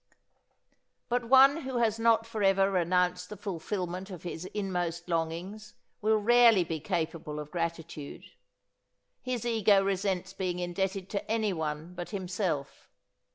But one who has not for ever renounced the fulfillment of his inmost longings will rarely be capable of gratitude. His ego resents being indebted to anyone but himself.